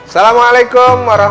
assalamualaikum wr wb